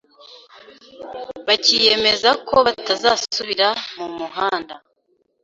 bakiyemeza ko batazasubira mu muhanda.